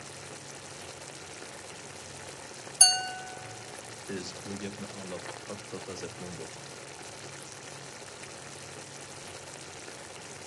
بىز بۇ گەپنى ئاڭلاپ قاتتىق غەزەپلەندۇق.